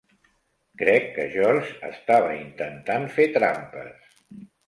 Crec que Georges estava intentant fer trampes?